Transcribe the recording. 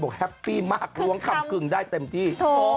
แฮปปี้มากล้วงคำกึ่งได้เต็มที่